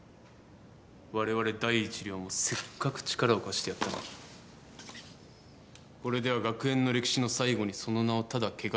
われわれ第一寮もせっかく力を貸してやったのにこれでは学園の歴史の最後にその名をただ汚しただけ。